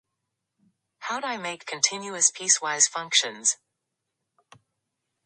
How do I make continuous piecewise functions?